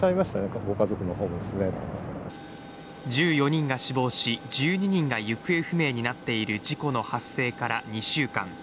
１４人が死亡し、１２人が行方不明になっている事故の発生から２週間。